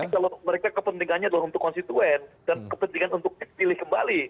tapi kalau mereka kepentingannya adalah untuk konstituen dan kepentingan untuk pilih kembali